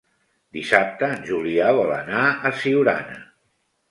Dissabte en Julià vol anar a Siurana.